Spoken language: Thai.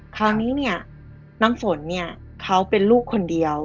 คราวนี้เนี่ยน้ำฝนเนี่ยเขาเป็นลูกคนเดียว